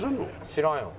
知らんよ。